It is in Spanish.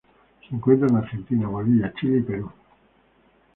Se encuentra en Argentina, Bolivia, Chile y Perú.